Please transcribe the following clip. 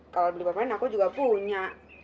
kalau beli pemain aku juga punya